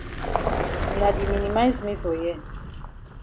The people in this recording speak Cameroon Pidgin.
Wuna di minimize me for here.